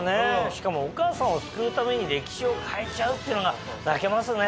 しかもお母さんを救うために歴史を変えちゃうっていうのが泣けますね。